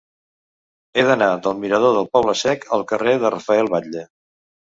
He d'anar del mirador del Poble Sec al carrer de Rafael Batlle.